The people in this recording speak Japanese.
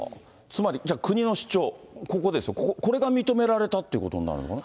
つまりじゃあ、国の主張、ここ、これが認められたということなのかな。